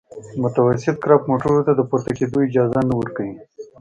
متوسط کرب موټرو ته د پورته کېدو اجازه نه ورکوي